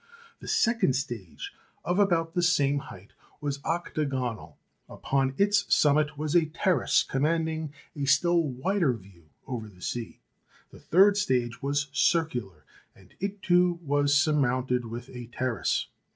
The second stage, of about the same height, was octagonal; upon its summit was a terrace commanding a still wider view over the sea. The third stage was circular, and it too was surmounted with a terrace.